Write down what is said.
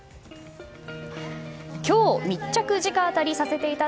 今日、密着直アタリさせていた